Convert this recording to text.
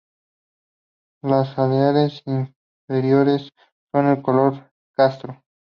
Las alares inferiores son de color castaño.